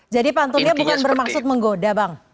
jadi pantunnya bukan bermaksud menggoda bang